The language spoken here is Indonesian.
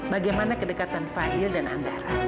bagaimana kedekatan fadil dan andara